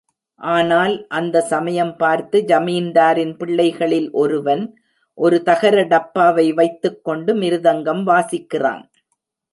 ஆனால் அந்த சமயம் பார்த்து, ஜமீன்தாரின் பிள்ளைகளில் ஒருவன் ஒரு தகர டப்பாவை வைத்துக் கொண்டு மிருதங்கம் வாசிக்கிறான்.